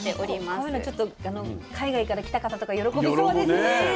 こういうのはちょっと海外から来た方とか喜びそうですね。